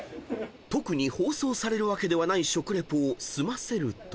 ［特に放送されるわけではない食リポを済ませると］